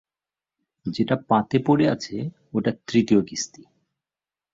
যেটা পাতে পড়ে আছে ওটা তৃতীয় কিস্তি।